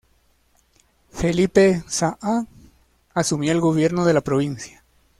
Felipe Saá asumió el gobierno de la provincia.